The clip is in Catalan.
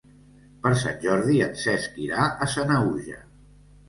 Per Sant Jordi en Cesc irà a Sanaüja.